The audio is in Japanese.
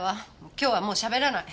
今日はもうしゃべらない。